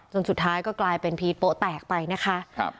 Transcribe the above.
สุดท้ายก็กลายเป็นพีชโป๊แตกไปนะคะครับ